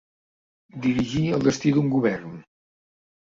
Dirigí el destí d'un govern.